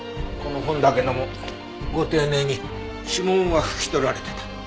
この本だけどもご丁寧に指紋は拭き取られてた。